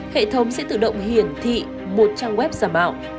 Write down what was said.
hệ thống sẽ tự động hiển thị một trang web giả mạo